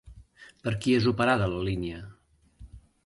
Per qui és operada la línia?